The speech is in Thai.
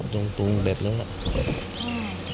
ตรงตรงแบบนั้นครับ